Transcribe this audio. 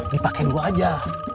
dipake dulu aja